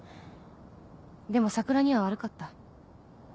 でも桜には悪かった。